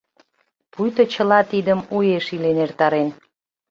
Пуйто чыла тидым уэш илен эртарен.